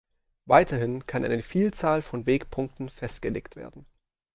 Weiterhin kann eine Vielzahl von Wegpunkten festgelegt werden.